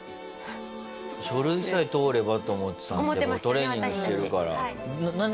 書類さえ通ればと思ってたんですけどトレーニングしてるから。